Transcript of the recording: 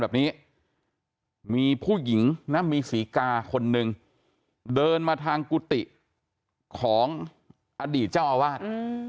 แบบนี้มีผู้หญิงนะมีศรีกาคนนึงเดินมาทางกุฏิของอดีตเจ้าอาวาส